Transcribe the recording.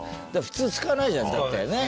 普通使わないじゃんだってね。